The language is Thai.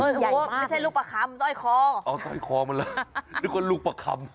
โอ้โหไม่ใช่ลูกปะคำซ่อยคอเอาซ่อยคอมาแล้วนึกว่าลูกปะคำ